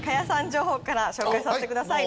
情報から紹介させてください。